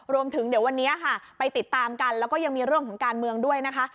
รวมถึงเดี๋ยววันนี้ค่ะไปติดตามกันแล้วก็ยังมีเรื่องของการเมืองด้วยนะคะ